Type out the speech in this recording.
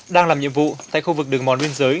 đang làm nhiệm vụ tại khu vực đường mòn biên giới